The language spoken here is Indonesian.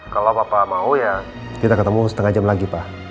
kalau bapak mau ya kita ketemu setengah jam lagi pak